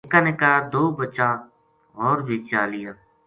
نِکا نِکا دو بچا ہو ر بے چالیا